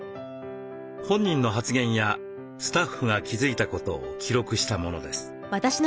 本人の発言やスタッフが気付いたことを記録したものです。